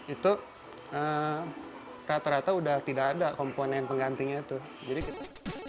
itu rata rata udah tidak ada komponen penggantinya itu